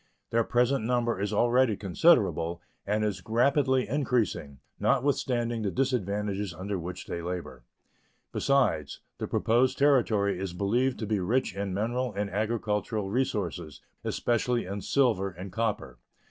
Their present number is already considerable, and is rapidly increasing, notwithstanding the disadvantages under which they labor. Besides, the proposed Territory is believed to be rich in mineral and agricultural resources, especially in silver and copper.